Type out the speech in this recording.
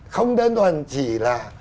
không đơn thuần chỉ là